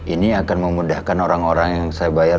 ini akan memudahkan orang orang yang saya bayar